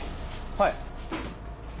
はい。